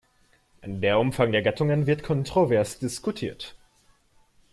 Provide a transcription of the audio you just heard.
Der Umfang der Gattungen wird kontrovers diskutiert.